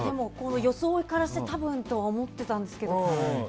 装いからして多分とは思ってたんですけど。